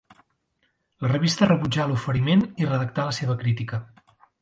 La revista rebutjà l'oferiment i redactà la seva crítica.